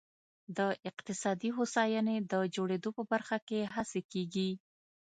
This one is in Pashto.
د اقتصادي هوساینې د جوړېدو په برخه کې هڅې کېږي.